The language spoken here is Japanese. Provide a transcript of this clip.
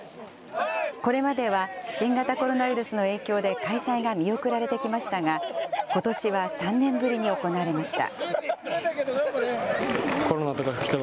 これまでは新型コロナウイルスの影響で開催が見送られてきましたが、ことしは３年ぶりに行われました。